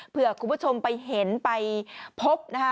เพื่อคุณผู้ชมไปเห็นไปพบนะคะ